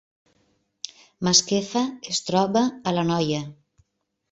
Masquefa es troba a l’Anoia